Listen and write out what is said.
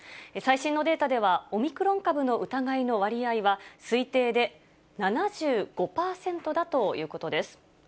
最新のデータでは、オミクロン株の疑いの割合は推定で７５％だということです。